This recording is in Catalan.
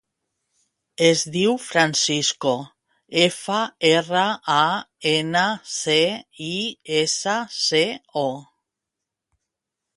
Es diu Francisco: efa, erra, a, ena, ce, i, essa, ce, o.